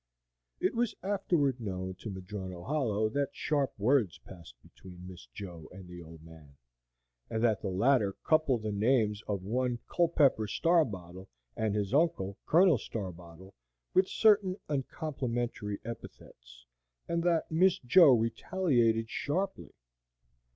It was afterward known to Madrono Hollow that sharp words passed between "Miss Jo" and the old man, and that the latter coupled the names of one Culpepper Starbottle and his uncle, Colonel Starbottle, with certain uncomplimentary epithets, and that Miss Jo retaliated sharply.